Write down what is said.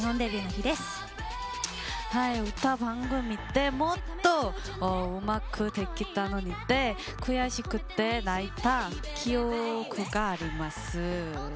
歌番組でもっとうまくできたのにって悔しくて泣いた記憶があります。